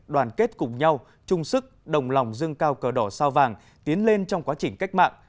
đoàn kết cùng nhau chung sức đồng lòng dưng cao cờ đỏ sao vàng tiến lên trong quá trình cách mạng